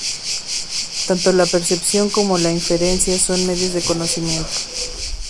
Tanto la percepción como la inferencia son medios de conocimiento.